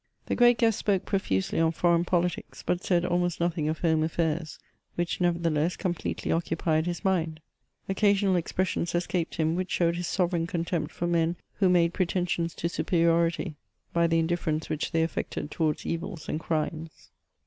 The great guest spoke profusely on foreign politics, but said almost nothing of home affairs, which, nevertheless, completely occupied his mind. Occasional expressions escaped him, which showed his sovereign contempt for men who made pretensions to superiority, by the indifference which they affected towards evils and crimes.